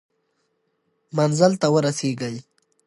منزل ته ورسېږئ.